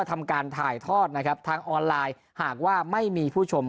ทำการถ่ายทอดนะครับทางออนไลน์หากว่าไม่มีผู้ชม